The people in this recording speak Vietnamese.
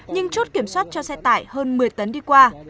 nhưng chốt kiểm soát cho xe tải hơn một mươi tấn đi qua